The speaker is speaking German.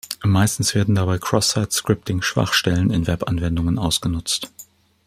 Meistens werden dabei Cross-Site-Scripting-Schwachstellen in Webanwendungen ausgenutzt.